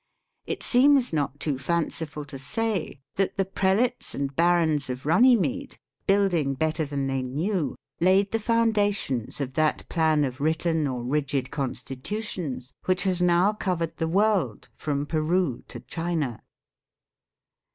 It seems not too fanciful to say that the prelates and barons of Runny mede, building better than they knew, laid the founda tions of that plan of Written or Rigid Constitutions which has now covered the world from Peru to China.